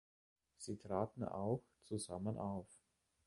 Sie traten auch zusammen auf.